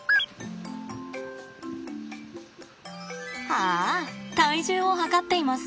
ああ体重を量っています。